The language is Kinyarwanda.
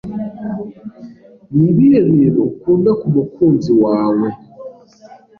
Nibihe bintu ukunda kumukunzi wae